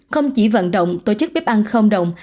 không chỉ vận động tổ chức bếp ăn không đồng